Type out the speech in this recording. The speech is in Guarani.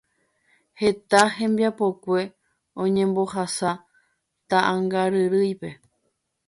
Heta hembiapokue oñembohasa taʼãngaryrýipe.